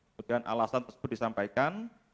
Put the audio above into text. kemudian alasan tersebut disampaikan